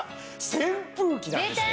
扇風機なんですね。